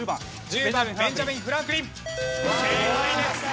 正解です。